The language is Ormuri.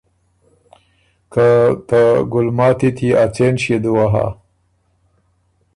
که ته ګُلماتی ت يې ا څېن ݭيې دُوه هۀ